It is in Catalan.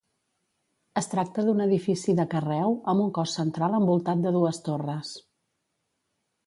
Es tracta d'un edifici de carreu, amb un cos central envoltat de dues torres.